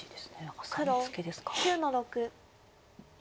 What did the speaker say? ハサミツケですか。